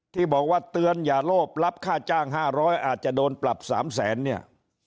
ที่บอกว่าเตือนอย่าโลภรับค่าจ้าง๕๐๐อาจจะโดนปรับ๓แสนเนี่ย